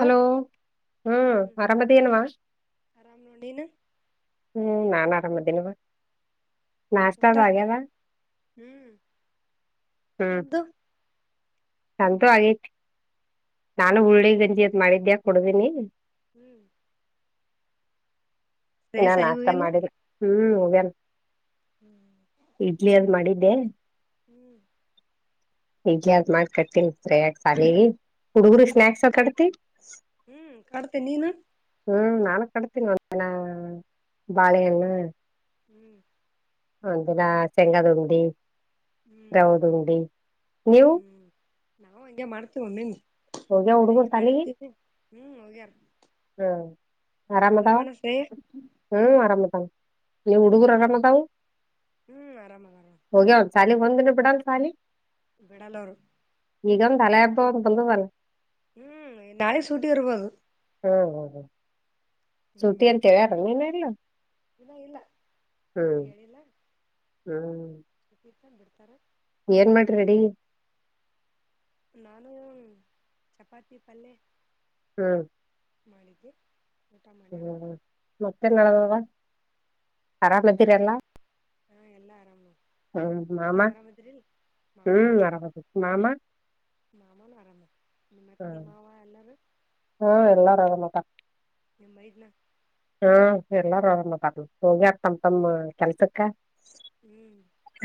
Hello ಹ್ಮ್ ಅರಾಮದನುವಾ ಆರಾಮ್ ನೋಡ್ ನೀನು ಹ್ಮ್ ನಾನ್ ಆರಾಮ್ದೀನವಾ ನಾಷ್ಟ ಊಟ ಹಾಗ್ಯವ ಹ್ಮ್ ನಿಮ್ದು ಸಂತೂ ಆಗೈತಿ ನಾನು ಹ್ಮ್ ಹುಳ್ಳಿ ಗಂಜಿದ್ ಮಾಡಿದ್ಯಾ ಕೊಡ್ದೀನಿ [unintelligible] ಶ್ರೇಯಸ್ ನಾನ್ ಸಾಲಿಗ್ ಆತ ಹೋಗ್ಯಾನ ಮಾಡಿದ್ದ ಹ್ಮ್ ಹವೇನ್ [unintelligible] ಇಡ್ಲಿ ಅದ ಮಾಡಿದ್ದೆ ಹ್ಮ್ ಈಗ್ಯಾದ್ ಮಾಡ್ ಕಟ್ತೀನಿ ಯಾಕ ಸಾಲಿಗೆ ಹುಡುಗುರು ಹ್ಮ್ ಸ್ನಾಯಕ್ಸ್ ಕಡ್ತಿ ಹ್ಮ್ ಕಾಡ್ತೆ ನೀನು ಹ್ಮ್ ನಾ ಕಟ್ತೀನಿ ಒಂದಿನ ಬಾಳೆಯ್ಣ ಹ್ಞೂ ಒಂದಿನ ಶೆಂಗದುಂಡಿ ಹ್ಮ್ ರೌದು ಉಂಡಿ ನೀವು ಹ್ಮ್ ನಾವು ಹಂಗೆ ಮಾಡ್ತೇವಿಣನ್ ಹೋಗ್ಯ ಹುಡುಗರು ಮನಗೆ ಸಾಲಿಗಿ ಮಾಡಿರ್ತೀವಿ ಹ್ಮ್ ಹೋಗ್ಯಾರ ಹ್ಮ್ ಆರಾಮದಾ ಆರಾಮನ ಶ್ರೇಯ ಹ್ಮ್ ಆರಾಮದಾ ನೀವು ಹುಡುಗರ ಹ್ಮ್ ಅರಾಮ ಅದವು ಹ್ಮ್ ಆರಾಮ ಅದಾರ ಹೋಗ್ಯ ಒಂದ ಸಾಲಿ ಒಂದಿನ ಬಿಡಲ್ ಸಾಲಿ ಬಿಡಲ್ಲ ಅವ್ರು ಈಗ ಒಂದ ಹಳೆ ಹಬ್ಬ ಅಂತ ಬಂದವಲ್ಲ ಹ್ಮ್ ನಾಳಿ ಸೂಟಿ ಇರ್ಬೋದು ಹ್ಮ್ ಹ್ಮ್ ಹ್ಮ್ ಸುಟಿ ಅಂತಂತವಾರ ನೀನು ಇಲ್ಲ ಇನ್ನ ಇಲ್ಲ ಇನ್ನ ಹ್ಮ್ ಹೇಳಿಲ್ಲ ಹ್ಮ್ ತೀರ್ಥನ್ ಬಿಡ್ತಾರೆ ಏನ್ ಮಾಡ್ರಿಡಿ ನಾನು ಚಪಾತಿ ಅಲ್ಲೇ ಹ್ಮ್ ಮಾಡಿಗೆ ಹ್ಮ್ ಮತ್ತೆನ್ವ ಆರಾಮ್ದೀರಲ್ಲ ಹಾಂ ಎಲ್ಲ ಆರಾಮ ಹ್ಮ್ ಮಾಮ ಹ್ಮ್ ಆರಾಮ್ ಮಾಮ ಮಾಮೂನ ಆರಾಮ ನಿ ಮತ್ತಿ ಮಾವ ಎಲ್ಲರೂ ಹ್ಮ ಎಲ್ಲಾರು ಆರಾಮಟ ನಿಮ್ಮೈದ್ನಾ ಹಾ ಎಲ್ಲಾರೂ ಆರತಾರ ಹೋಗಿ ಆತಮ ತಮ ಕೆಲ್ಸಕ್ಕ ಹ್ಮ್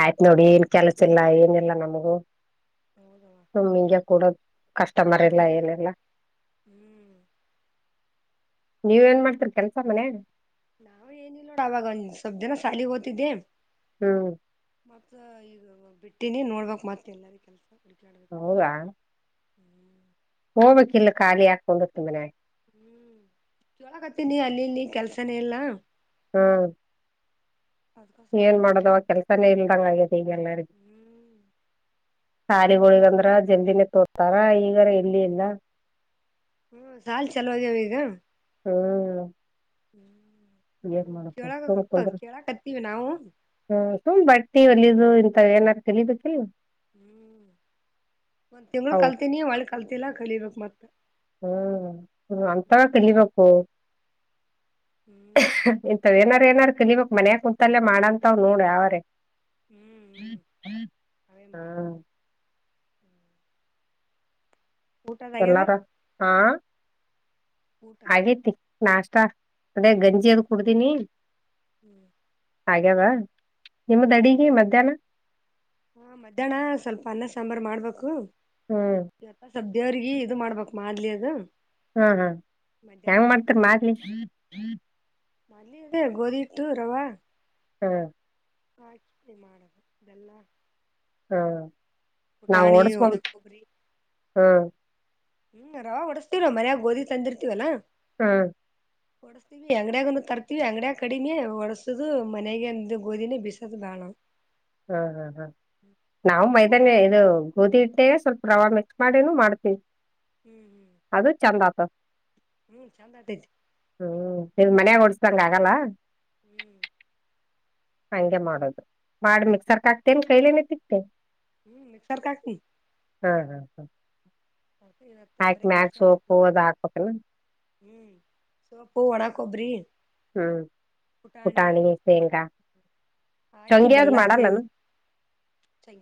ಆಯ್ತ್ ನೋಡಿ ಏನ್ ಕೆಲ್ಸ ಇಲ್ಲ ಏನಿಲ್ಲಾ ನಮಗೂ ಹೌದವ ಹಿಂಗಗೆ ಕೂಡದು ಕಸ್ಟಮರ್ ಎಲ್ಲ ನಮ್ದು ಏನೆಲ್ಲ ಹ್ಮ್ ನೀವ್ ಏನ್ ಮಾಡ್ತೀರ ಕೆಲ್ಸ ಮನೆ ನಾವು ಏನಿಲ್ಲ ನೋ ಅವವಾಗ ಸಬ್ದನ ಸಾಲಿ ಹೋತಿದ್ದೆ ಹ್ಮ್ ಮ ಈಗ ಬಿಟ್ಟೀನಿ ನೋಡ್ಬೇಕು ಮತ್ತೆ ಎಲ್ಲಾರ ಕೆಲಸ ಹುಡುಕಡ್ಬೇಕು ಹ್ಮಞ [inaudible] ಹೋಗ್ಬೇಕಕ್ ಇಲ್ಲ ಖಾಲಿ ಹಾಕೊಂಡಿರ್ತು ಮನೆ ಹ್ಮ್ ಚೋಳಕತ್ತನಿ ಅಲ್ಲಿ ಇಲ್ಲಿ ಕೆಲ್ಸನೇ ಎಲ್ಲಾ ಹ್ಮ್ ಅದ್ಕ ಸುಮ್ ಏನ್ ಕುಂತೀನಿ ಮಾಡದವ ನಾನ್ ಕೆಲ್ಸಾನೇ ಇಲ್ದಂಗ ಆಗತಿ ಈಗೆಲ್ಲರಿ ಹ್ಮ್ ಕೆಲಸ ಇದ್ರ ಸಾರಿಗಳಿಗಂದ್ರ ಜಲ್ದಿನೇ ತೋತಾರ ಈಗಾರ ಎಲ್ಲಿ ಇಲ್ಲ ಹ್ಮ ಸಾಲ್ ಚಲೋದಾವ ಈಗ ಹ್ಮ್ ಹ್ಮ್ ನೋಡ ಏನ್ ಮಾಡಪ್ಪ ಕೇಳ ಕೇಳಕ್ತ್ತೀವಿ ನಾವು ಹ್ಮ ಸುಮ್ ಬಡ್ತಿ ಒಲಿದ ಇಂತ ಏನಾದಾರು ಕಲಿಬೇಕಲ್ವಾ ಹ್ಮ್ ಒಂದ ತಿಂಳ ಅವು ಕಲ್ತೀನಿ ಒಳಿ ಕಲ್ತಿಲ್ಲ ಕಲಿಬೇಕಕ್ ಮತ್ತೆ ಹ್ಮ್ ಅಂತ ತಿಲಿಬೇಕು ಹ್ಮ್ ಏನಾರ ಏನಾರ ಕ ನೀವಕ್ ಮನ್ಯ ಕುತಲ್ಲೇ ಮಾಡಂತಾವ್ ನೋಡ ಅವ್ರೆ ಹ್ಮ್ ಹ್ಮ್ ಹ್ಮ ಅವೇ ಮಾಡ ಊಟದಾಗ್ಯದ ಎಲ್ಲಾರ ಹಾ ಊಟ ಆಗೇತಿ ನಾಷ್ಟ ಅದೇ ಗಂಜಿ ಅದು ಹ್ಮ್ ಕುಡ್ತೀನಿ ಹ್ಮ್ ಹಾಗ್ಯವ ನಿಮ್ದಡಿಗೆ ಮಧ್ಯಾಹ್ನ ಹಾ ಮಧ್ಯಾಹ್ನ ಸ್ವಲ್ಪ ಅನ್ನ ಸಾಂಬಾರ್ ಮಾಡ್ಬೇಕು ಹ್ಮ್ ಯಪ ಸ್ದವ್ರಿಗೆ ಇದು ಮಾಡ್ಬೇಕಕ್ ಮಾದ್ಲಿ ಅದು ಹ್ಮ ಹ್ಮ ಮಧ್ಯಾಹ್ನ ಹೆಂಗ ಮಾಡ್ತರಿ ಮಾಲಿ ಮನ ಇದೆ ಗೋಧಿ ಹಿಟ್ಟು ರವ ಹ್ಮ ಹಾಕಿ ಮಾಡದು ಇದೆಲ್ಲ [inaudible] ಹಾ ನಾವು ಓಡಸ್ಕೊ ಒಣ ಕೊಬ್ಬರಿ ಹ್ಮ್ ಹ್ಮ್ ರವ ಹೊಡಸ್ತಿವ ಮನ್ಯಾಗ ಗೋದಿ ತಂದಿರ್ತೀವಲ್ಲಾ ಹ್ಮ ಫಟ [inaudible] ವಿ ಅಂಗಡ್ಯಾಗ ತರ್ತಿವಿ ಅಂಗಡಿಯ ಕಡಿಮೆ ಒಡಸದು ಮನೆಗೆ ಅಂದ ಗೋಧಿನೇ ಬಿಸದು್ ಬಾಳ ಹಾ ಹಾ ಹಾ ಹ್ಮ್ ನಾವು ನೀವು ಮೈದನ್ ಇದು ಗಓದಿ ಇಟ್ಟೆ ಸ್ವಲ್ಪ ರವೆ ಮಿಕ್ಸ್ ಮಾಡಿನನು ಮಾಡ್ತೀವಿ ಹ್ಞ ಹ್ ಅದು ಚಂದ ಆತ ಹ್ಮ್ ಚಂದ ಆಟೈತಿ ಹ್ಮ್ ನಿವ್ ಮನ್ಯಾಗ ಹೊಓಡ್ಸ್ದಂಗ ಆಗಲ್ಲ ಹ್ಞೂ ಹಂಗೆ ಮಾಡೋದು ಮಾಡಿ ಮಿಕ್ಸರ್ಕ್ ಹಾಕ್ತೇನ್ ಕೈಲನೆ ತಿಗ್ತೆೇನ ಹ್ಮ ಮಿಸರ್ ಕಾಕ ಹಾ ಹಾ ಹಾ ಇವತ್ತ ಹಾಕ್ ಬರೀ ಮ್ಯಕ್ ಕೆಲ್ಸನೇ ಸೋಪು ಆಗ್ತದೆ ಅ್ ಹಾಕ್ಬೇಕ ಹ್ಮ್ ಸವಪು ಒಣಕ ಒಬ್ರಿ ಹ್ಮ್ ಪುಟಾಣಿ ಸೇಂಗಾ ಹಾಕಿ ಶಂಗ್ಯಾದ ಮಾಡಲ್ಲನು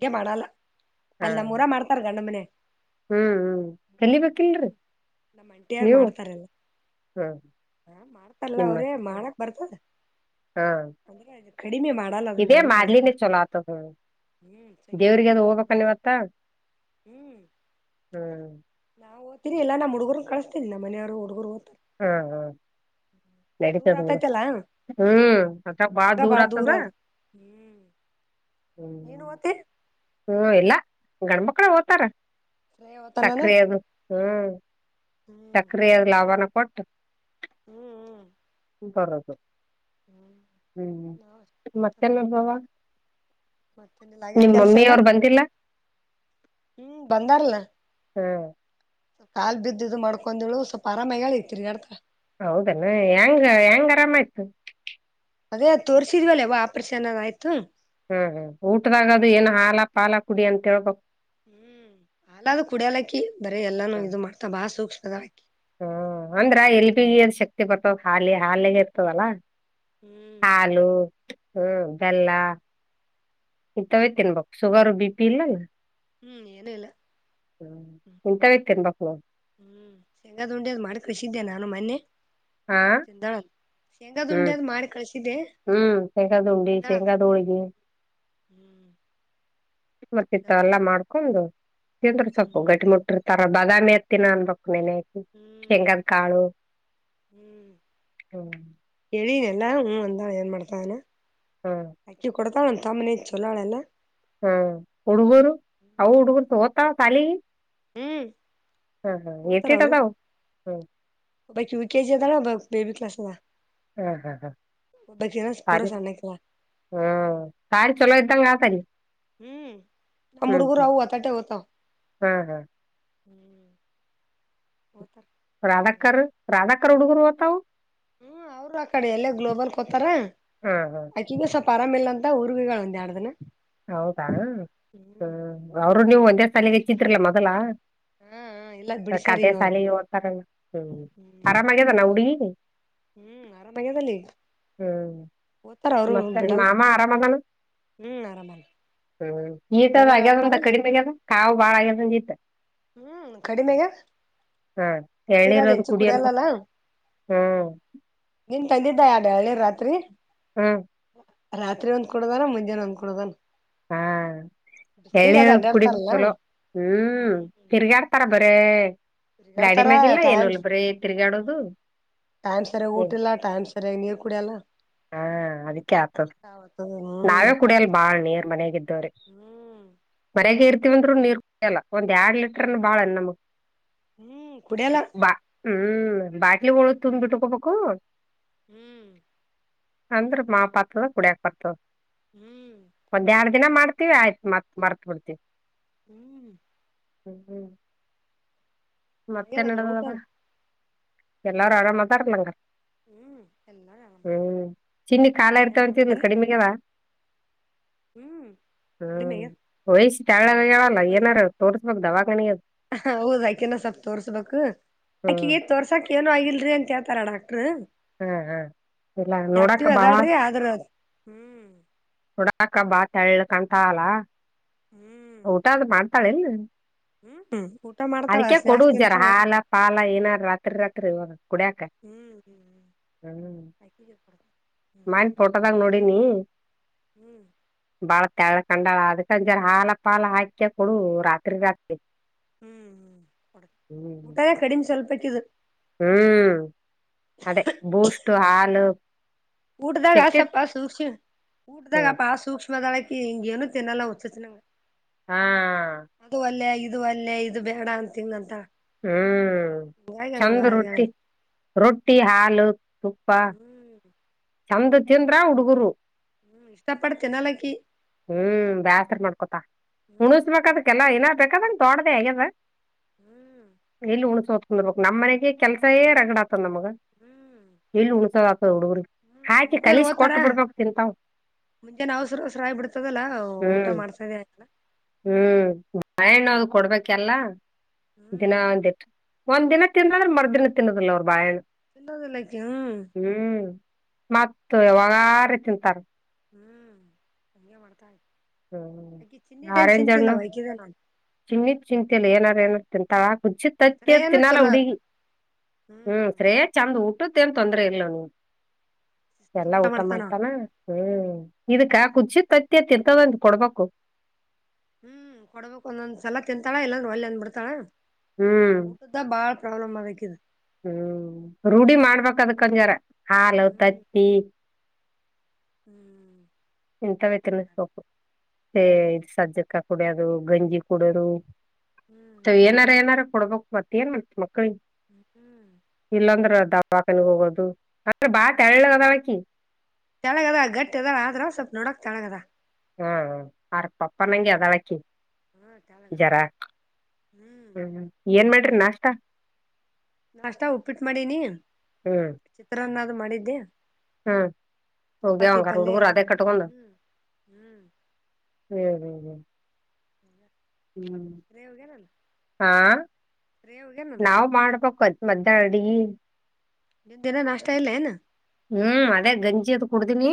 ಚೆ ಮಾಡಲ್ಲ ಹಾ ಅಲ್ಲ ನಮ್ಮ ಮೂೂರ ಮಾಡ್ತಾರ ಗಣ್ಣಮ್ಮನೆ ಹ್ಮ್ ಹ್ಮ್ ನಮ್ ಚಲಿಬೇಕಿಲ್ರಿ ನೀವು ಹಾ ಹಾ ಮಾಡ್ತಲ್ಲ ಅವ್ರೇ ಮಾಡಕ್ ಬರ್ತದ ಹಾ ಅಂದ್ರೆದು ಕಡಿಮೆ ಮಾಡ ಎಲ್ಲಲ್ಲ ಅ ಇದೇ ನೀನು ಅವರೇ ಮಾಡ್ಲಿನೇ ಚಲೋ ಆತದ ಹ್ಮ್ ಹ್ಮ್ ದೇವ್ರಿಗೆ ಸಂಂಗೇದೇ ಅದು ಅಲ್ಲ ಅವರ ಹೋಗ್ಬೇಕನ್ ಇವತ್ತ ಹ ಹ್ಮ್ ನಾರಿ ಇಲ್ಲ ನ್ ಹುಡುಗರನ್ ಕಳಸ್ತೀ ನಮ್ಮನೆಯ್ ಹುಗರುದ್ತ ಹ್ಮ್ ಹ್ಮ ನಡತದೋಡ ಆತೈತಲ್ಲಾ ಹ್ಮ್ ಅತ್ತ ಬಾಳ ದರ್ಗಾ ದೂರ ಆಗ್ತದ ಅದ ಹ್ಮ್ ನೀನು ಹ್ಮ ಓತಿ ಹ್ಮ ಎಲ್ಲ ಗಂಡ್ಮಕ್ಳ ಓ್ತರ ಶ್ರೇಯ ಓತಾನಾನ ಸಕ್ರಿಯದು ಹ್ಮ್ ಹ್ಮ್ ಸಕ್ರಿಯಾದ ಲಾಭನ ಕೊಟ್ಟು ಹ್ಮ್ ಬರೋದು ಹ್ಮ್ ನಾವ್ ಅಷ್ಟ ಹ್ಮ್ ಮತ್ತೆನ ನಾಧಡ್ ಮತ್ತೆನಲ್ಲ ಆಗ್ಯದ ಕೆಲಸ ಎಲ್ಲ ಅವ್ರು ಬಂದಿಲ್ಲ ಹ್ಮ್ ಬಂದಾರಲ್ಲ ಹ್ಮ ಕಲ್ ಬಿದ್ದ ಇದು ಮಾಡ್ಕೊಂಡಳು ಸ್ವಲ್ಪ ಆರಾಮಾಗಿ ಹೇಳಿ ತಿರಿ ನಡಕ ಹೌದನ್ನು ಹೆಂಗ ಹೆಂಗ್ ಆರಾಮಾಯ್ತು ಅದೇ ಅ ತೋರಿಸಿದ್ವಲ್ಲವ ಆಪ್ರೇಷನ್ ಅದಯ್ತು ಹ್ಮ್ ಹ್ಮ್ ಊಟದಾಗದು ಏನು ಹಾಲ ಪಾಲ ಕುಡಿ ಅಂತ ಹೇಳ್ಬು ಹ್ಮ್ ಹಾಲದು ಕುಡಿಯಾಲಕ್ಕಿ ಬರೀ ಎಲ್ಲಾನು ಇದು ಮಾಡ್ತಾ ಬಾಳ ಸೂಕ್ಷ್ಮದ ಅಕ್ಕಿ ಹ್ಮ ಅಂದ್ರ ಎಲ್ ಬಿಗದ ಶಕ್ತಿ ಬರ್ತದ ಹಾಲಿ ಹಾಲಿಗೆ ಇರ್ತದಲ್ಲಾ ಹ್ಮ್ ಹಾಲು ಹ್ಮ ಬೆಲ್ಲ ಈ ತವೆ ತಿನ್ಬಕ್ ಶುಗರ್ ಬಿ ಪಿ ಇಲ್ಲಲ್ಲ ಹ್ಮ್ ಏನು ಇಲ್ಲ ಹ ಕುಂಂತ ವಕ್ತನೆ ಬಕ್ ಮ ಹ್ಮ್ ಶೇಂಗಾದ್ ಉಂಡಿಯದ್ ಮಾಡಿ ಖುಷಿದ್ದೆ ನಾನು ಮೊನ್ನೆ ಹಾ ತಿದಾಳ ಶೇಂಗ ಹ್ಮ್ ದುಂಡಿಯದ್ ಮಾಡಿ ಕಳ್ಸಿದೆೆ ಹ್ಮ್ ಶೇಂಗಾದ ಉಂಡಿ ಎ ಶೇಂಗಾದ ಹೋಳ್ಗಿ ಹ್ಮ್ ಬರ್ತಿತ್ತ ತಿಂದಾಳಂತ ಎಲ್ಲಾ ಮಾಡ್ಕೊಂಡು ತಿಂದ್ರ ಸೊಪ್ಪು ಹ್ಮ್ ಗಟ್ಟಿ ಮುಟ್ಟಿ ತರ ಬಾದಾಮಿ ಇರ್ತೀನ ಅನ್ಬೇಕಕ್ ನೆನ್ ಹೆಂಗದ್ ಕಾಳು ಹ್ಮ ಹ್ಮ್ ಎಳೀನಲ್ಲ ಹನ್ ಅಂದಾ ಏನ್ ಮಾಡಡತಾನ ಹಾ ಅಕ್ಕಿ ಕೊಡತಾ ಅವ ಒಂದು ತಾಮನೇಛಲಳೆಲ್ಲ ಹಾ ಹುಡುಗರು ಅವು ಹುಡುಗುರು ಹತ ಕಖಾಲಿ ಹ್ಮ್ ಹಾ ಹಾ ಎಟ್ಟಿಟಕ ಬ ಕ ಯು ಕೆಜ ಅದ ಬೇಬಿ ಕ್ಲಸ್ ಅ ಹ್ಮ್ ಹ್ಮ್ ಹ್ಮ್ ಒಬಾಕಿ ಪೂರಾ ಸನ್ನಕ್ಕಲ ಹ್ಮ ಸಾರಿ ಚಲೋ ಇ್ದಂಗ ಸರಿ ಹ್ಮ್ ನ ಮುಡಗು ಆಹ ಅತಟೇವತ ಹ್ಮ್ ಹ್ಮ್ ಹ್ಮ್ ತ್ತ ರಾಧಾಕರ್ ರಾಧಾಕರ ಉಡುಗುರುವತ ಹ್ಮ ಅವರು ಆ ಕಡೆ ಎಲ್ಲೇ ಗ್ಲೋಬಲ್ ಕೊತಾರ ಹಾ ಹಾ ಅಕಿಗೆ ಸೊಲ್ಪ ಆರಾಮ ಇಲ್ಲ ಅಂತ ಊರಿಗೆ ಹೋಗಿದಾಳೆ ಹೌದಾ ಹ ಅವರು ನೀವು ಒಂದೇ ಸಾಲಿಗೆಚ್ಚಿದ್ರಲ ಮೊದಲ ಹಾ ಇಲ್ಲ ಬಿಡಿಸ್ಯಾರ ಕಾದೇ ಈಗ ಅವರು ಸಾಲ ತಾರೆ ಹ್ಮ್ ಹ್ಮ್ ಆರಾಮಾಗ್ಯದಾನ ಹುಡುಗಿ ಹ್ಮ್ ಆರಾಮಗ್ಯಾದಲ್ಲಿ ಹ್ಮ್ ಮತ್ತೆ ಬಿಡಲ್ಲ ಮಾಮ ಆರಾಮದಾನ ಹ್ಮ್ ಆರಾಮ ಹ್ಮ್ ನಿಮ್ ಈತದ ಮನೆಯವ್ರ ಆಗ್ಯದಂತ ಆರಾಮಾರಿ ಕಡಿಮೆ ಆ್ಯದ ಕಾ ಭಾಳ ಆಗ್ಯದಂದ ಜ ಈತ ಹ್ಮ್ ಕಡಿಮೆಗೆ ಹಾ ನೀರಾದ ಎಳ್ನೀರದು ಹೆಚ್ಚ ಕುಡಿ ಕುಡಲ್ಲ ಅನ್ಬಕ್ ಹ್ಮ್ ನಿನ್ ತಂದಿದ್ದ ಎರಡು ಹೇಳಳ್ಳಿರ್ ರಾತ್ರಿ ಹ್ಮ ರಾತ್ರಿ ಒಂದ್ ಕುಡಗನ ಮುಂಜಾನೆ ಒಂದ್ ಕುಡಗನ ಹಾ ಎಳ ನೀರ ಕುಡಿ ಬೇಕು ಅಡ್ಡಾಡ್ತಾರಲ್ಲ ಚಲೋ ಹ್ಮ್ ತಿರ್ಗಾಡ್ತಾರ ಬರೇ ಗಾಡಿ ತಿರ್ಗಾಡ್ತಾರ ಮ್ಯಾಗಲ್ಲ ಟೈಮ್ ಏನಲ್ ಬ್ರೀ ಹ್ಮ್ ತಿರ್ಗಾಡೋದು ಟೈಮ್ ಸರಿಯಾಗಿ ಊಟ ಇಲ್ಲ ಟೈಮ್ ಸರಿಯಾಗಿ ನೀರ್ ಕುಡಿಯಲ್ಲ ಹಾ ಅದಕ್ಕೆ ಆಗ್ತದ ಹೌದು ನಾವೇ ಕುಡಿಯಲ್ ಬಾಳ್ ನೀರ್ ಮನಗಿದ್ದವ್ರೀ ಹ್ಮ್ ಮರಯಗೆ ಇರ್ತಿವಂದ್ರರು ನೀರ್ ಕುಡಲ್ಲ ಒಂದ್ ಎರಡ್ ಲೀಟರ್ ಬಾಳಣ ನಮಗ್ ಹ್ಮ್ ಕುಡಿಯಲ್ಲ ಬಾ ಹ್ಮ್ ಬಾಟ್ಲಿ ಳದ ತುಂಬ ಬಿಟ್ಟುಕೋಬಕು ಹ್ಮ್ ಅಂದ್ರ ಮಾ ಪಾತ್ತದ ಕುಡಿಯಕ್ ಪಾತದ ಹ್ಮ್ ಒಂದ್ ಎರಡ್ ದಿನ ಮಾಡ್ತೀವಿ ಆಯ್ತತ್ ಮತ್ ಮರ್ತ್ ಬಿಡ್ತಿವಿ ಹ್ಮ್ ಹ್ಮ್ ಹ್ಮ್ ಮತ್ತೆ ಆಗ್ಯದ ಹಂಗಾರ ಊಟ ನಡದದವ ಎಲ್ಲಾರು ಆರಾಮ್ ಅದ್ರ ಅಲಾ ಹ್ಮ್ ಎಲ್ಲಾರು ಆರಾಮ ಅದಾರ ಹ್ಮ್ ಚಿನ್ನಿ ಕಾಲ ನಿಮ್ ಮನ್ಯಾಗ ಆರಾಮ್ ಇರ್ತಾವಂತ ಅದಾರ ಕಡಿಮಗಾವ ಹ್ಮ್ ಎನ ವಯ್ಸ ತಾಳ ಹೇಳಲ್ಲ ಏನಾರ ತೋರ್ಕಕ್ ದವಾ ಕಣ ಅದು ಹ ಹೌದ್ ಆಕೆನ ಸ್ವಲ್ ತೋರ್ಸ್ಬೇಕು ಹ್ಮ್ ಆಕೆ ತೋರ್ಸಾಕ್ ಏನ ಆಗಿಲ್ರರಿ ಅಂತ ಹೇಳ್ತಾರ ಡಾಕ್ಟ್ರ್ ಹಾ ಹಾ ಇಲ್ಲ ನೋಡಾಕ ಆಕ್ಟಿವ್ ಬಾ ಅದಾಳ್ರಿ ಆದ್ರೂ ಅ ಹ್ಮ್ ಹುಡಾಕಬ್ಬಾ ತಳ್ಳಕಂತ ಅಲ್ಲ ಹ್ಮ್ ಊಟದ ಮಾಡ್ತಾಳ ಇಲ್ ಹ್ಮ್ ಹ್ಮ್ ಊಟ ಮಾಡ್ತಾಳಾ ಸ್ನ್ಯಾಕ್ಸ್ ಜರ ತಿಂತಾಳ ಹಾಲ ಪಾಲ ಏನಾರ ರಾತ್ರಿ ರಾತ್ರಿ ಇವಾಗ ಕುಡಿಯಕ ಹ್ಞ ಹ್ಞ ಹ ಜ ಹ್ಞ ಕದಾಗ ನೋಡಿನಿ ಹ್ಮ್ ಬಾಳ ತೆಳ್ಕಂಡಳ ಅದಕಂಜರ ಹಾಲ ಪಾಲ ಹಾಕ ಕೊಡು ರಾತ್ರಿ ರಾತ್ರಿ ಹ್ ಹ ಕೊಡ ಹ್ಮ್ ಊಟ ಕಡಿಮೆ ಸ್ವಲ್ಪಕ್ಕು ಹ್ಮ್ ಅದೇ ಬೂಸ್ಟ್ ಹಾಲು ಊಟದಾಗ ತೆಗ್ದಿಟ್ ಆಸಪ್ಪ ಸೂಕ್ಷ್ಮ ಊಟದಾಗಪ್ಪ ಆ ಸೂಕ್ಷ್ಮದಾಳಕ್ಕೆ ಹಿಂಗ ಏನುೂ ತಿನ್ನಲ್ಲ ಹಸತ್ಂಗಗೆ ಹಾ ಅದು ಅಲ್ಲೇ ಇದು ಅಲ್ಲೇ ಇದು ಬೇಡ ಅಂತಂತ ಹ್ಮ್ ಚಂದ ಆಗ್ಯಾಳ ರೊಟ್ಟಿ ಆಕಿ ರೊಟ್ಟಿ ಹಾಲು ತುಪ್ಪ ಹ್ಮ್ ಚಂದ ತಿಂದ್ರ ಹುಡುಗರು ಇಷ್ಟಪಡ ತಿನ್ನಲಿಕ ಹ್ಮ್ ಬೇಸರ ಮಾಡ್ಕೊತಾ ಹ್ಮ್ ಹುಣಸಬೇಕದಕ್ಕೆಲ್ಲ ಏನ ಬೇಕಾದಂಗ ತೋಡ್ದೇ ಹೇಗಾದ. ಹ್ಮ ಎಲ್ಲಿ ಉಣ್ಸೋದು ತಂದ್ರ್ಬೇಕು ನಮ್ಮ್ನೆಗೆ ಕೆಲ್ಸೇ ಏ ರಗಡ [unintelligible] ನಮಗೆ ಹ್ಮ್ ಎಲ್ಲಿ ಉಳಸದ ಆತದ ಹುಡುಗರಿಗೆ. [unintelligible] ಹೋತಾರ ಮುಂಜಾನೆ ಅವಸರು ಅವಸರು ಆಯಿ ಬಿಡ್ತದಲ್ಲ ಊಟ ಹ್ಮ್ ಮಾಡ್ಸದೆಅಗಲ್ಲ. ಹ್ಮ್ ಬಾಳೆಹಣ್ಣು ಅದು ಕೊಡ್ಬೇಕೆಲ್ಲ. ದಿನ ಹ್ಮ್ ಒಂದ್ಟ್, ಒಂದ್ ದಿನ ತಿಂದ ಅಂದ್ರೆ ಮರ್ ದಿನ ತಿನ್ನದಿಲ್ಲ ಅವ್ರು ಬಾಳೆಣ್ಣು. ತಿನ್ನೋದಿಲ್ಲ ಈಕಿ ಹ್ಮ್. ಹ್ಮ್ ಮತ್ತ್ ಯಾವಗಾದ್ರು ತಿಂತಾರ. ಹ್ಞೂ ಹಂಗೆ ಮಾಡ್ತಾಳೆ ಅಕಿ ಚಿಂಡಿದೇನ್ ಚಿಂತಿಲ್ಲ ಅವ್ವ ಇಕಿದೆ ನೋ ಚಿನ್ನಿದ್ ಚಿಂತಲ್ಲ ಏನಾರ ಏನಾರ ತಿಂತಳ ಕುುಚ್ಚಿದ್ ಸರೇನ ತತ್ತಿತ್ತಿನಲ್ಲ ಚೊಲೋ ಹುಡುಗಿ. ಹ್ಮ್ ಶ್ರೇಷ್ ಚಂದ ಊಟದ್ದ ಏನ್ ತೊಂದ್ರ ಇಲ್ ನೀವ್. ಎಲ್ಲಾ ಊಟ ಮಾಡ್ತಾನ ಹ್ಮ್ ಇದಕ್ಕ ಕುಚಿ ತತ್ತಿ ತಿಂತದಂತ ಕೊಡ್ಬೇಕು. ಹ್ಮ್ ಕೊಡ್ಬೇಕು ಒಂದೊಂದ್ಸಲ ತಿಂತಾಳ ಇಲ್ಲಾಂದ್ರ ಒಲ್ಲೇ ಅಂದ್ ಬಿಡ್ತಾಳ ಹ್ಮ್ ಊಟದ್ [unintelligible] ಅ ಬಾಳ ಪ್ರಾಬ್ಲಮ್ ಅಕೀದು. ಹ್ಮ್ ರೂಢಿ ಮಾಡ್ಬೇಕದಕಂಜಾರ ಹಾಲು ಹ್ಮ್ ತತ್ತಿ. ಹ್ಮ್ ಇಂತವೇ ತಿನ್ನುಸಬೇಕು ಹ್ಮ್ ಇ ಸಜ್ಜಕ್ಕ ಕುಡಿಯೋದು ಗಂಜಿ ಕುಡಿಯೋದು. ಹ್ಮ್ ಏನಾರ ಏನಾರ ಕೊಡ್ಬೇಕ್ ಮತ್ತ ಏನ್ ಮಾಡ ಮಕ್ಳಿಗೆ. ಹ್ಮ ಹ್ಮ್ ಇಲ್ಲಾಂದ್ರ ದವಾಖನ್ಗ್ ಹೋಗೋದು ಅಂದ್ರ ಬಾ ತೆಳ್ಳಗ್ ಹದಳಕ್ಕಿ. ತಳ್ಳುಗ್ ಅದಳ ಗಟ್ಟಿ ಅದಾಳ ಆದರು ಸ್ವಲ್ಪ ನೋಡಕ್ ತಳ್ಳುಗ್ ಅದ್ದಾಳ. ಹ್ಮ್ ಹ ಆರ ಪಪ್ಪ ನಂಗೆ ಅದಳಾಕಿ ಹಾ ತೆಳಗದ ಜರಕ್ ಹ್ಮ್. ಏನ್ ಮಾಡ್ರಿ ನಾಷ್ಟ. ನಾಷ್ಟ ಉಪ್ಪಿಟ್ಟು ಮಾಡೀನಿ ಹ್ಮ್ ಚಿತ್ರಾನ್ನದು ಮಾಡಿದ್ದೆ. ಹ್ಮ್ ಹೋಗ್ಯಾವ ಚಪಾತಿ ಅಂಗ ಪಲ್ಯ ಹುಡುಗೂರು ಎಲ್ಲಾ ಅದೇ ಕಟ್ಟಕಂದು. ಹ್ಮ್ ಹ್ಮ್ ಹ್ಮ ಹ್ಮ ಹ್ಮ ಹ್ಮ್ ರೇ ವೋಗರಲ್ಲ. ಹಾ ನಾವ್ ಮಾಡ್ಬೇಕು ಅದ್ ಮದ್ಯಾ ಅಡಿಗಿ. ನೀಂದ ಇನ್ನ ನಾಷ್ಟ ಇಲ್ಲೇನು. ಹ್ಮ್ ಅದೇ ಗಂಜಿ ಅದು ಕುಡ್ದೀನೀ.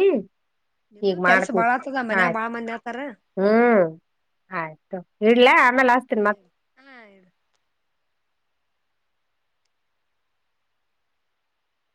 ನಿಂದು ಈಗ್ ಕೆಲ್ಸ ಮಾಡ್ತ ಬಾಳ ಆತದ ಮನ್ಯಾಗ ಆಯ್ತು ಬಾಳ ಮಂದಿ ಆತಾರ. ಹ್ಮ್. ಆಯ್ತು ಇಡ್ಲ ಆಮೇಲೆ ಅಸ್ತಿನನ್ ಮತ್ತ್ ಹಾ ಇಡು.